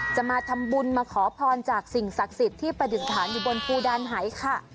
จะมาทำบุญมาขอพรจากสิ่งศักดิ์สิทธิ์ที่ประดิษฐานอยู่บนภูดานหายค่ะ